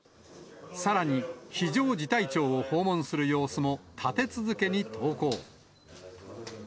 さらに、非常事態庁を訪問する様子も立て続けに投稿。